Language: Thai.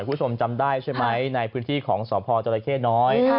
คุณผู้ชมจำได้ใช่ไหมในพื้นที่ของสพจรเข้น้อย